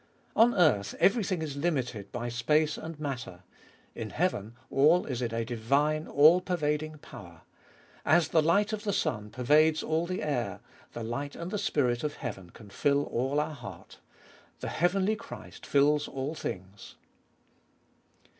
On earth everything is limited by space and matter, in heaven all Is In a divine, all peruading power. As the light of the sun pervades all the air, the light and spirit of heaven can fill all our heart. The heavenly Christ fills all things.